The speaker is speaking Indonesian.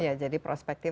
ya jadi prospektif